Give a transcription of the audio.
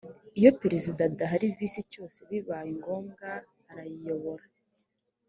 iyo perezida adahari visi cyose bibaye ngombwa arayiyobora